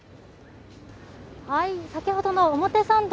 先ほどの表参道、